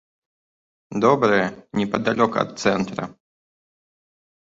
Добрыя, непадалёк ад цэнтра.